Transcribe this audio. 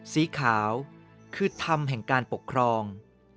สีขาวคือธรรมแห่งการปกครอง